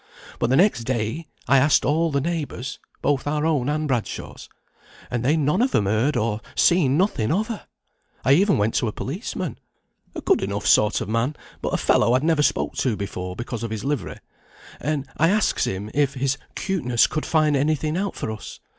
But the next day I asked all the neighbours (both our own and Bradshaw's), and they'd none of 'em heard or seen nothing of her. I even went to a policeman, a good enough sort of man, but a fellow I'd never spoke to before because of his livery, and I asks him if his 'cuteness could find any thing out for us.